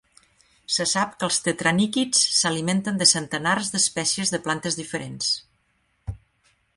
Se sap que els tetraníquids s'alimenten de centenars d'espècies de plantes diferents.